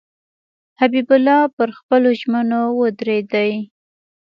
حبیب الله پر خپلو ژمنو ودرېدی.